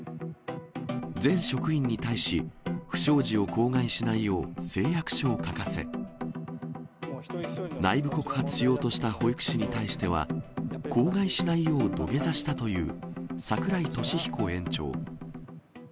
全職員に対し、不祥事を口外しないよう誓約書を書かせ、内部告発しようとした保育士に対しては、口外しないよう土下座したという櫻井利彦園長。